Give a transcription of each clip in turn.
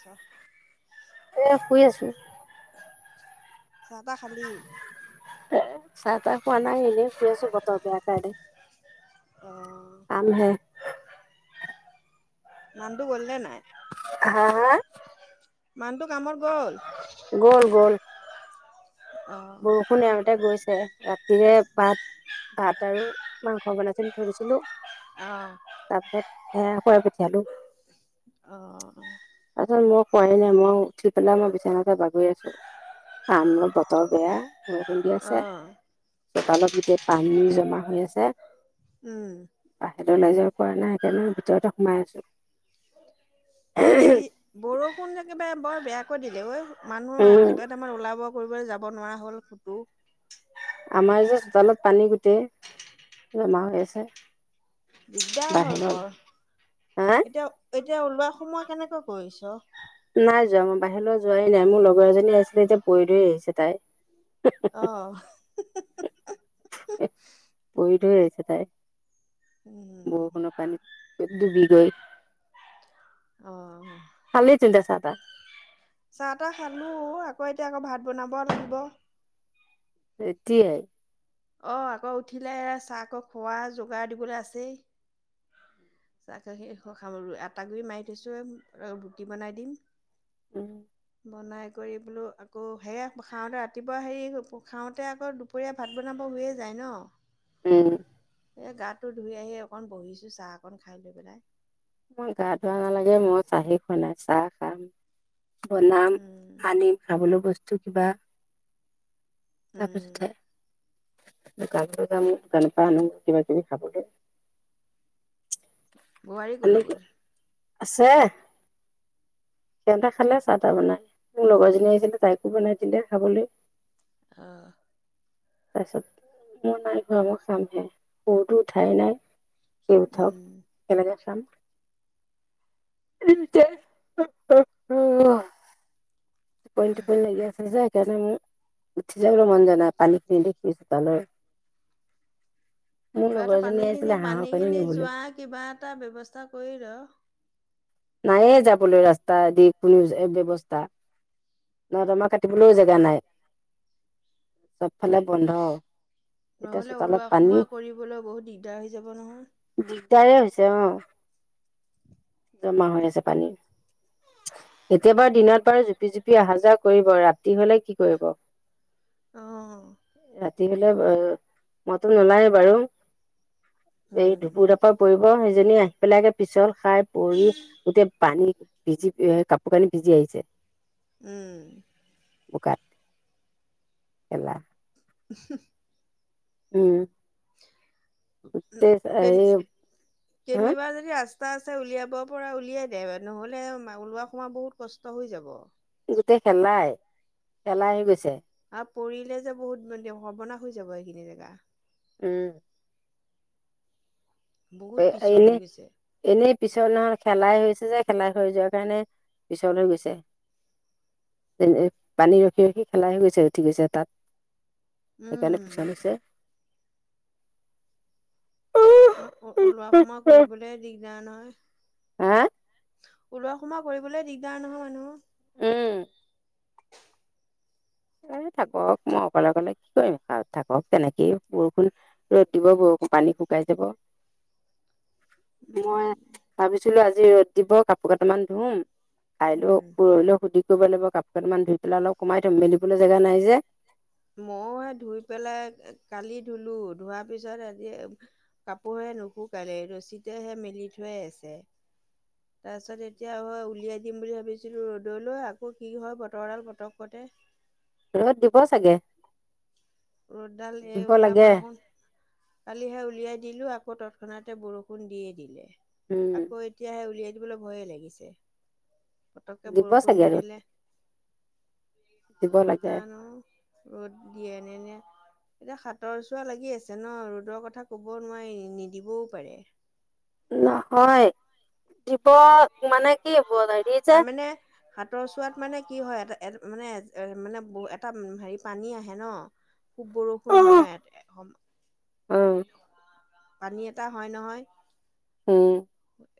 চাহ এ শুই আছো তাহ খালি এ চাহ চাহ খোৱা নাই এনেই শুই আছো বতৰ বেয়া কাৰে অ কাম হে নো গ'লে নাই হা হা মানুহটো কামত গ'ল গ'ল গ'ল অ বৰষুণ এওঁতে গৈছে ৰাতি ৰে ভাত ভাত আৰু মাংস বনাইখিনি ধৰিছিলো উম আহ হয় পালো অ হয় নাই মই উঠি পেলাই মই বিছনাতে বাগৰি আছো ক বতৰ বেয়া বলি অ আছে চোতালত গোটেই পানী জমা হৈ আছে উম তাহত ওলাই যাব পৰা নাই সেইকাৰণে ভিতৰতে সোমাই আছো যি বৰষুণ যে একেবাৰে বৰ বেয়াকৈ দিলে ঐ মানুহ উম ৰাতিপুৱা আমাৰ ওলাব কৰিবলৈ যাব নোৱাৰা হ'ল ফতো আমাৰ যে চোতালত পানী গোটেই জমা হৈ আছে দিগদাৰ হ'ল বাহিৰলৈ ওলা বৰ হা এতিয়া এতিয়া ওলোৱা সময় কেনেকৈ কৰিছ নাই যোৱা মই বাহিৰলৈ যোৱাই নাই মোৰ লগৰ এজনী আছিলে এতিয়া পৰি ধৈ আহিছে তাই আহ পৰিটো হৈ গছে তাই উম বহোনো কান ডুবি গৈ অ চালি চিন্তা চাৰটাা চাহ তাহ খালো আকৌ এতিয়া আকৌ ভাত বনাব লাগিব তেতিয়াই অ আকৌ উঠিলে চাহ আকৌ খোৱা যোগাৰ দিবলৈ আছেই আটা গুৰি মাৰি থৈছো ৰুকি বনাই দিম উম বনাই কৰি বোলো আকৌ সেয়া খাওঁতে ৰাতিপুৱা হেৰি খাওঁতে আকৌ দুপৰীয়া ভাত বনাব হৈয়ে যায় ন উম এই গাটো ধুই আহি অকণ বহিছো চাহ অকণ খাই লৈ পেলাই মই গা ধোৱা নালাগে মই চাহি খোৱা নাই চাহ খাম বনাম উম আনিম খাবলৈ বস্তু কিবা তাৰপ এঠ উম ক যাম গান পা আনো কিবা কিবি খাবলৈ বোৱাৰী আনি ক'লগ'ল আছে সিহঁতে খালে চাহ তাহ বনাই মোৰ লগৰজনী আহিছিলে তাইকো বনাই দিলে খাবলৈ আহ তাৰপিছত মোৰ নাই ঘৰা মৰ খামহে সৰুতো উঠাই নাই স উঠও কেনেকে খাম পই পই লাগি আছে য সেইকাৰণে মোৰ উঠি যাবলৈ মন জ নাই পানী খিনি দেখি চোতালৰ মোৰ কিবা এটা লগৰজনী পানী খিনি আহিছিলে হাঁহৰ পানী খিনি নিবলৈ যোৱা কিবা এটা ব্য্ৱস্থা কৰি ৰ নাইয়ে যাবলৈ ৰাস্তা দি কোনো ব্যৱস্থা নহ তমাৰ কাটিবলৈও জেগা নাই চবফালে বন্ধ এতিয়া নহলে চোতালত ওলোৱা পানী সোমোৱা কৰিবলৈ বহুত দিগদাৰ হৈ যাব নহয় দিগদাৰে হৈছে অ জমা হৈ আছে পানীৰ এতিয় বাৰ দিনত বাৰু জুপি জুপি অহা যোৱা কৰিব ৰাতি হলে কি কৰিব অঁ ৰাতি হলে মইতো নোলায় বাৰু এই উম ধুপুৰতাৰ পৰা পৰিব সেইজনী আহি পেলাই আগে পিছল খাই পৰি গোটেই পানী ভিজি কাপোৰ কানি ভিজি আহিছে উম বোকাত খেলা উম তে কে এই হা নিবাজ আ ৰাস্তা আছে উলিয়াব পৰা উলিয়াই দে নহ'লে ওলোৱা সময় বহুত কষ্ট হৈ যাব গোটেই খেলাই খেলাই আহি গৈছে পৰিলে যে বহুত মান সৰ্বনা হৈ যাব এইখিনি জেগা উম এ বহুত পিছল হৈ এনেই গৈছে এনে পিছৰ নহয় খেলাই হৈছে যে খেলাই হৈ যোৱাৰ কাৰণে পিছল হৈ গৈছে যেনে পানী ৰখি ৰখি খেলাই হৈ গৈছে উঠি গৈছে তাত এেইকাৰনেে উম পিচালিছে মানে লোৱা সোমোৱা কৰিবলে দিগদাৰ নহয় হা ওলোৱা সোমোৱা কৰিবলৈ দিগদাৰ নহয় মানুহ উম এ থাকক মই অকলে অকলে কি কৰিম খ থাকক তেনেকেই বৰষুণ ৰ'দ দিব বষ পানী শুকাই যাব মই উম ভাবিছিলো আজি ৰ'দ দিব কাপোৰ কেইটামান ধুম কাইলৈ উম, পৰহিলৈও সুধি কৰিব লাগিব কাপোৰ কাপান ধুই পেলাই অলপ কোমাই থম মেলিবলৈ জেগা নাই যে ময় স ধুই পেলাই কালি ধুলো ধোৱাৰ পিছত এ কাপোৰহে নুশুোকে ৰচীতেহে মেলি থৈ আছে তাৰ পিছত এতিয়া হয় উলিয়াই দিম বুলি ভাবিছিলো ৰ'দলৈ আকৌ কি হয় বতৰডাল পতককতে ৰ'দ দিব চাগে ৰ'দডাল এই দিব লাগে ওলাবখোন কালিহে উলিয়াই দিলো আ আকৌ তৎক্ষণাতে বৰষুণ দিয়ে দিলে উম আকৌ এতিয়াাহে উলিয়াই দিবলৈ ভয়ে লাগিছে পতককৈ দিব বৰষুণ চাগে দি ৰ'দ দিলে দিব লাগে তানো ৰ'দ দিয়েনে ন এতিয়া হাতৰ চোৱা লাগি আছে ন ৰ'দৰ কথা কব নোৱাৰি নিদিবও পাৰে নহয় দিব মানে কি ব- হেৰি যে তাৰমানে হাতৰ চোৱাত মানে কি হয় এটা এ মানে এ মানে ব এটা হেৰি পানী আহে ন খুব বৰষুণ হয় ন ইয় অ পানী এটা হয় নহয় উম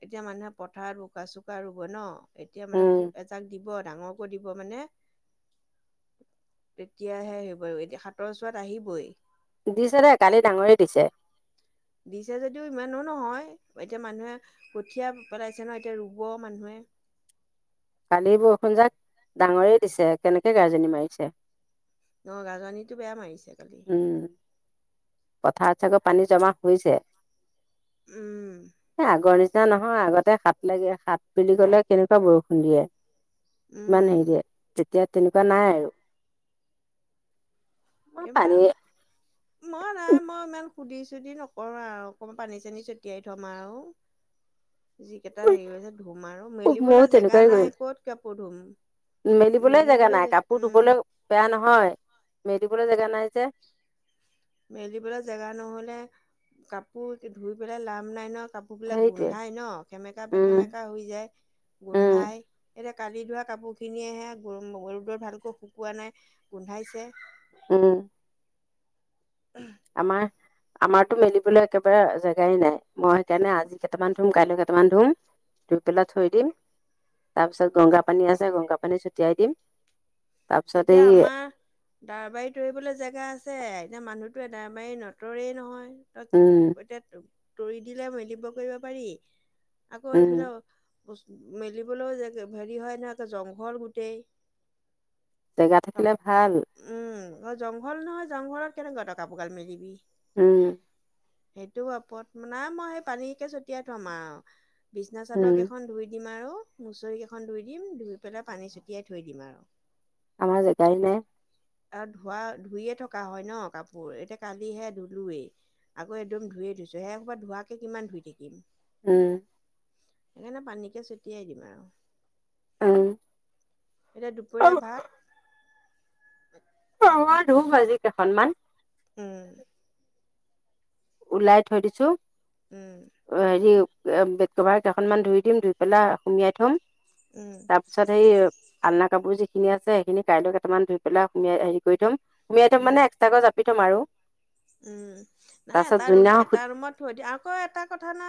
এতিয়া মানুহে পথাৰত বোকা চোকা ৰুব ন এতিয়া মানেু এজাক দিব দিব ডাঙৰকৈ দিব মানে তেতিয়াহে হ বাৰু এতিয়া সাতৰ চোৱাত আহিবই দিছে দেেই কালি ডাঙৰে দিছে দিছে যদিও ইমানো নহয় এতিয়া মানুহে কঠীয়া পেলাইছে ন এতিয়া ৰুব মানুহে কালি বৰষুণ জাক ডাঙৰেই দিছে কেনেকে গাৰ্জনী মাৰিছে ন গাজনীটো বেয়া মাৰিছে খালি পথাৰ চাকো পানী জমা হৈছে উম স আগৰ নিি নিচিনা নহয় আগতে হাত লাগে হাত বুলি ক'লে কেনেকুৱা বৰষুণ দিয়ে ইমান উম হেৰিয়ে তেতিয়া তেনেকুৱা নাই আৰু মই এইবাৰ পানী মই নে মই ইমান সুধি চুধি নকৰো আৰু অকমান পানী চানী ছটিয়াই থম আৰু যিিকেইটা হেৰিছে ধুম আৰু ময়ো মেলিবলৈ জেগা তেনেকুৱাই নাই কৰিম ক'ত কাপোৰ ধুম মেলিবলৈ জেগা নাই জে কাপোৰ উম ধুবলৈ বেয়া নহয় মেলিবলৈ জোগা নাই বাই যে মেলিবলৈ জেগা নহ'লে কাপোৰ ধুই পেলাই লাম লাইনত কাপোৰবিলাক সেইটোৱে গোন্ধাই ন খেমেকা উম, বেখেমেকা হৈ যায় উম, গোন্ধাই এতিয়া কালি ধোৱা কাপোৰ খিনিয়েহে ৰদৰ ভালকৈ শুকোৱা নাই গোন্ধাইছে অ আম আমাৰতো মেলিবলৈ একেবাৰে জেগাই নাই মই সেইকাৰণে আজি কেইটামান ধুম কাইলৈ কেইটামান ধুম ধুই পেলাই থৈ দিম তাৰপিছত গংগা পানী আছে গংগা পানী ছটিয়াই দিম তাৰ পিছত এতিয়া এই আমাৰ দাৰবাৰী তৰিবলৈ জেগা আছে এতিয়া মানুহ এদাই বাৰী নটৰে নহয় ত উম, এতিয়া তৰি দিলে মদিব্য কৰিব পাৰি আকৌ উম, এইফালে মেলিবলৈও হেৰি হয় নহে জংঘল গোটেই জেগা থাকিলে ভাল অ জংঘল নহয় জংঘলত কেনেকুৱা টকা পোকাল মেলিবি উম সেইটো ওপৰত মানে মই সেই পানীকে ছটিয়াই থম আৰু বিছনা উম চাদক এখন ধুই দিম আৰু মুচৰি কেইখন ধুই দিম ধুই পেলাই পানী ছটিয়াই থৈ দিম আৰু আমাৰ জেগাই নে আৰু ধোৱা ধুইয়ে থকা হয় ন কাপোৰ এতিয়া কালিহে ধুলোৱেই আকৌ একদম ধুইে থৈছো সেই কব ধোৱাকে কিমান ধুই থাকিম উম সেইকাৰণে পানীকে ছটিয়াই দিম আৰু আহ এতিয়া দুপৰীয়া ভাত ৰ ধু আজি কেইখনমান উম ওলাই থৈ দিছো উম হেৰি বেড কভাৰ কেইখনমান ধুই দিম ধুই পেলাই সুমিয়াই থম উম তাৰপিছত সেই আলনা কাপোৰ যিখিনিছে সেইখিনি কাইলৈক কটামান ধই পেলাই সমাই হেৰি কৰি থম সোমাই থ উম মানে্সট্ৰ গছজপি ম আৰু উম নাই তাৰপাছত এটা ৰুম যোনদিনাখন এটা সু ৰুমত থৈ দিিয় আকৌ এটা কথা না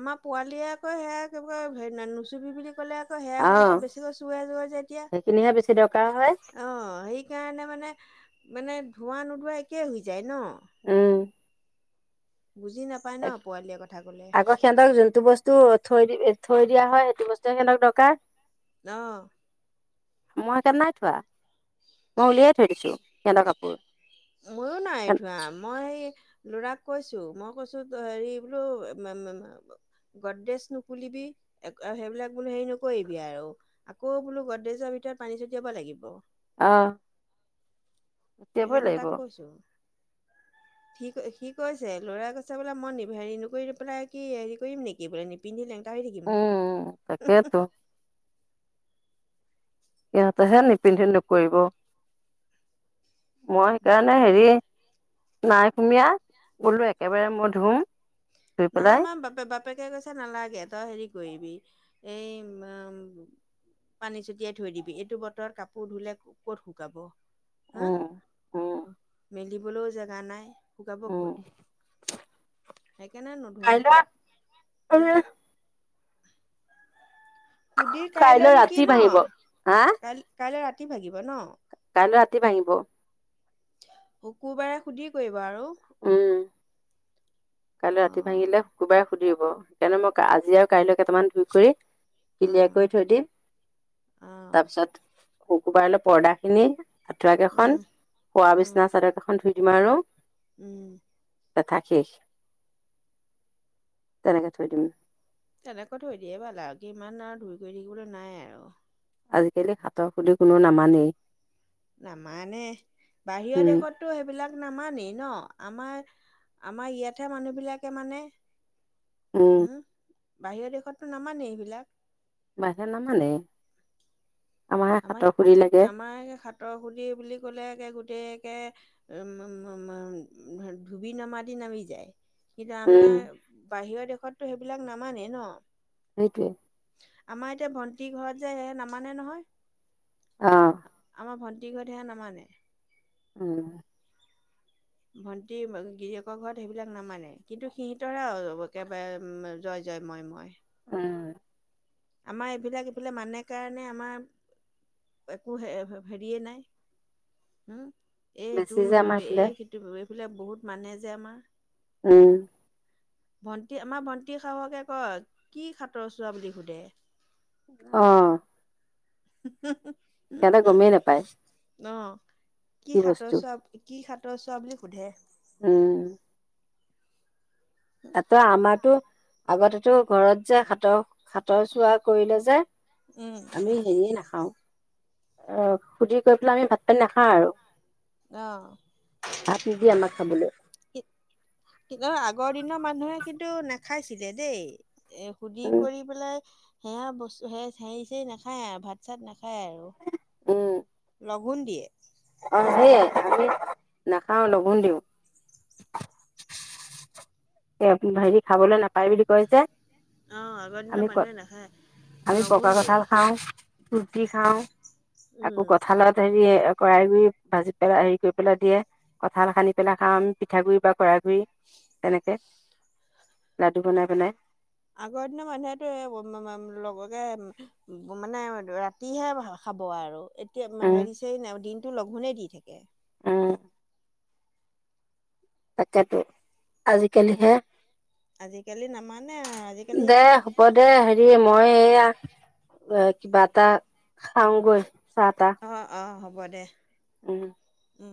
আমাৰ পোৱালিয়ে আকৌ সেয়া হ নুচুবি বুলি কলে আকৌ অ সেয়াোৰ বেছিকৈ চুৱে জ যে এতিয়া সেইখিনিহে বেছি দৰকাৰ হয় অ সেইকাৰণে মানে মানে ধৱা নোধোৱা একে হৈ যায় ন উম বুজি নাপায় ন পোৱালীয়ে কথা ক'লে আকৌ সিহঁতক যোনটো বস্তু থৈ দিবি থৈ দিয়া হয় সেইটো বস্তুে সক দৰকাৰ ন মই একণ নাই থোৱা মই উলিয়াই থৈ দিছো সিহঁতৰ কাপোৰ ময়ো নাইঠোৱাা মই ল'ৰাক কৈছো মই কৈছো হেৰি বোলো গদদেশ নুকুলিবি সেইবিলাক বোলো হেৰি নকৰিবিি আৰু আকৌ বোলো গদেজৰ ভিতৰত পানী ছটিয়াব লাগিব আহ উলিয়াবই সেইকাৰণে লাগিব তাক কৈছোঁ সি সি কৈছে ল'ৰাই কৈছে বোলে মই হেৰি নকৰি পেলাই কি হেৰি কৰিম নেকি বোলে নিপিন্ধিলে তাই থাকিম উম তাকেতো সিহঁতেহে নিপিন্ধি নকৰিব মই সেইকাৰণে হেৰি নাই সুমিয় গলো একেবাৰে মই ধুম ধুই নাই পেলাই মাৰ বাপে বাপেকে কৈছে নালাগে তই হেৰি কৰিবিবি এই ম পানী ছটিয়াই থৈ দিবি এইটো বতৰ কাপোৰ ধুলে ক'ত শুকাব হা উম উম মেলিবলৈও জেগা নাই শুকাব উম ক'ত সেইকাৰণে নুধো কল উ সুধিৰ কাইলৈ নেকি ৰাতি ন ভাঙিব হা কাই কাইলৈ ৰাতি ভাগিব ন কাই ৰাতি ভাঙিব শুকুৰবাৰে সুধি কৰিবা আৰু উম অ কাইলৈ ৰাতি ভাঙিলে শুকুৰবাৰে সুধিব সেইকাৰণে মই আজি আৰু কাইলৈ কেইটামান ধুই কৰি অ কলিয়াৰ কৰি থৈ দিম অ তাৰপিছত শুকুবাৰল পৰ্দা খিনি আঠুৱৰা উম কেইখন খোৱা উম বিচনা চাদৰ কেইখন ধুই দিম আৰু উম লঠ শেষ তেনেকে থৈ দিম তেনেকৈ থৈ দিয়ে ভাল আৰু কি ইমান আৰু ধুই কৰি থাকিবলৈ নাই আৰু আজিকালি হাতৰ খুুলি কোনো নামানেই নামানে বাহিৰৰ উম দেশতো সেইবিলাক নামানেই ন আমাৰ আমাৰ ইয়াতহে মানুহ বিলাকে মানে উম হম বাহিৰৰ দেশততো নামানেই এইবিলাক বা নামানে আমাৰহে আমাৰ হাতৰ খুলি লাগে আমাৰ সাতৰ সুধি বুলি ক'লে গ [unintelligible] ধুবি নামা দি নামি যায় উম [unintelligible] বাহিৰৰ দেশতো সেইবিলাক নামানেই ন সেইটোৱে আমাৰ এতিয়া ভন্টি ঘৰত যে স নামানে নহয় আহ আমাৰ ভণ্টি ঘৰত হে নামানে উম ভন্টি গিৰিয়কৰ ঘৰত সেইবিলাক নামানে কিন্তু সিহঁতৰা একেবাৰেম জয় জয় মই মই উম আমাৰ এইবিলাক এইবিলাক মানে কাৰণে আমাৰ [unintelligible] বেছি যে আমাৰ এইফালে [unintelligible] উম ভণ্টি আমাৰ ভন্টি সাহকে কয় কি সাটৰ চোৱা বুলি সোধে আহ [unintelligible] সিহঁতে গমেই নেপায় উম অ কি সাতৰ চোৱা কি সাতৰ চোৱা বুলি সোধে উম ত আমাৰতো আগতেতো ঘৰত যে সাতৰ হাতৰ চোৱা কৰিলে যে উম আমি হেৰিয়ে নাখাও অ সুধি কৰি পেলাই আমি ভাত পানী নাখাওঁ আৰু অ ভাত নিদিয়ে আমাক খাবলৈ কি আগৰ দিনৰ মান মানুহে কিন্তু নাখাইছিলে দেই এ সুধি উম কৰি পেলাই সেয়া বস্তু সে হেৰি চ নাখায় আৰু ভাত চাত নাখায় আৰু উম লগোণ দিয়ে অ সেইয়াই আমি নাখাও লগঘোণ দিওঁ এই হেৰি খাবলৈ নাপায় বুলি কৈজে অ ন মনে নহে আমি পকা কঠাল খাওঁ ৰুটি খাওঁ উম আকৌ কঠালটে দিয়ে কৰাৰাই গুৰি ভাজি পেলাই হেৰি কৰি পেলাই দিয়ে কঠ খানি পেলাই খাওঁমি পিঠাগ গুৰি বা কৰাই ওম তেনেকে লাডু বনাই পেলাই আগৰ দিনৰ মানুহেতো এ উম উম লগকে মানে ৰাতিহে খাব আৰু এতিয়া উম হেৰিছে দিনতটো লঘোণে দি থাকে উ তাকেতো আজিকালিহে আজিকালি নামানে আজিকালি দে হ'ব দে হেৰি মই এইয়া কিবা এটা খাওঁগৈ চাহ তাহ হ' গ দে উম উম